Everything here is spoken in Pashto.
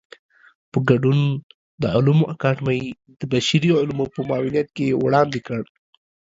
په ګډون د علومو اکاډمۍ د بشري علومو په معاونيت کې وړاندې کړ.